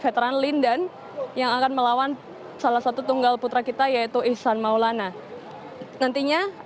veteran lindan yang akan melawan salah satu tunggal putra kita yaitu ihsan maulana nantinya